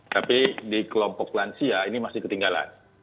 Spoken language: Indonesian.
tapi di kelompok lansia ini masih ketinggalan